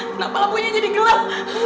kenapa lampunya jadi gelap